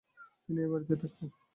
তিনি এই বাড়িতেই থাকতেন।